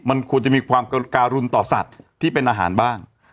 มันควรจะมีความการุนต่อสัตว์ที่เป็นอาหารบ้าง